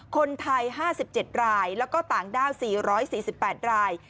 คนไทย๕๗รายแล้วก็ต่างด้าว๔๔๘ราย